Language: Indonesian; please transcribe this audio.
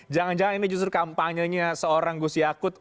jangan jangan ini justru kampanye nya seorang gus yakut